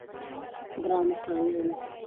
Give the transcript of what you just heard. ګرانو ښاريانو!